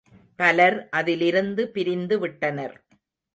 பலர் அதிலிருந்து பிரிந்துவிட்டனர்.